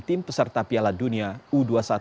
tim peserta piala dunia u dua puluh satu